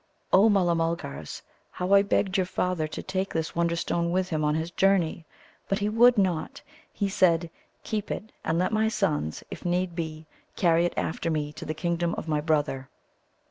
"O Mulla mulgars, how I begged your father to take this Wonderstone with him on his journey! but he would not. He said, 'Keep it, and let my sons, if need be, carry it after me to the kingdom of my brother.